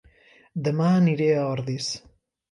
Dema aniré a Ordis